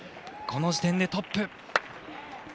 この時点でトップ！